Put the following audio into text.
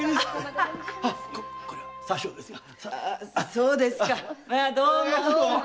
そうですかどうも。